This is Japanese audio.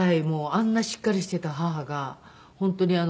あんなしっかりしていた母が本当に。